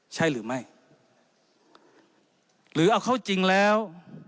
ใช่หรือไม่หรือเอาเข้าจริงแล้ว